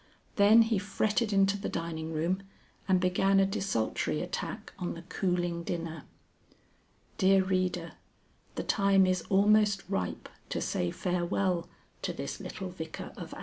Then he fretted into the dining room and began a desultory attack on the cooling dinner.... (Dear Reader, the time is almost ripe to say farewell to this little Vicar of ours.) XLVIII.